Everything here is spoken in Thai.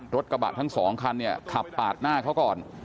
รถกระบะทั้งสองคันเนี่ยขับปาดหน้าเขาก่อน